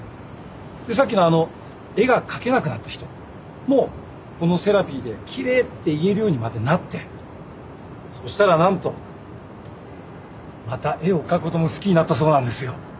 でさっきのあの絵が描けなくなった人もこのセラピーで「奇麗」って言えるようにまでなってそしたら何とまた絵を描くことも好きになったそうなんですよ。